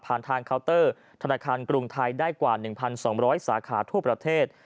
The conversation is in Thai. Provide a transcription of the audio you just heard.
ทางเคาน์เตอร์ธนาคารกรุงไทยได้กว่า๑๒๐๐สาขาทั่วประเทศ